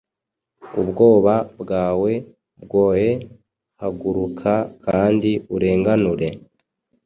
Ubwoba bwawe bwoe, haguruka kandi urenganure